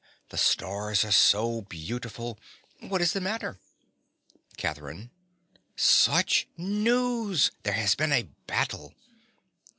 The stars are so beautiful! What is the matter? CATHERINE. Such news. There has been a battle!